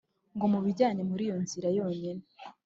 ngo mubijyane muri iyo nzira yonyine.